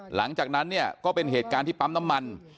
หลังจากนั้นเนี่ยก็เป็นเหตุการณ์ที่ปั๊มน้ำมัน